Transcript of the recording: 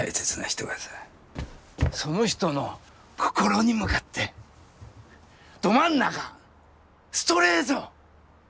その人の心に向かってど真ん中ストレート！